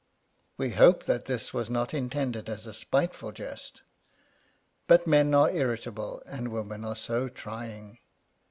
We hope that this was not intended as a spiteful jest ; but men are irritable, and women are so trying